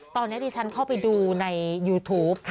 ตอนนี้ดิฉันเข้าไปดูในยูทูป